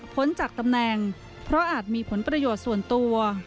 พ้นจากตำแหน่งเพราะอาจมีผลประโยชน์ส่วนตัว